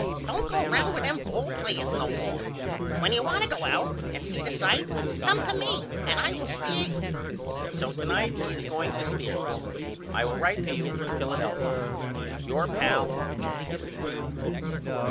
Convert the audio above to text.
Don't go round with them ball players no more. When you want to go out and see the sights come to me and I will stear you. So to night he is going to stear me. I will write to you from Philadelphia. Your pal, JACK.